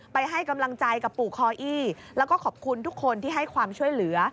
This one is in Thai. ให้กำลังใจกับปู่คออี้แล้วก็ขอบคุณทุกคนที่ให้ความช่วยเหลือ